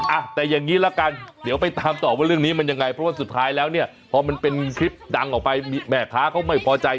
อ่ะแต่อย่างนี้ละกันเดี๋ยวไปตามต่อว่าเรื่องนี้มันยังไงเพราะว่าสุดท้ายแล้วเนี่ยพอมันเป็นคลิปดังออกไปแม่ค้าเขาไม่พอใจ